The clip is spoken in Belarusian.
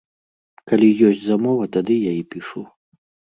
Калі ёсць замова, тады я і пішу.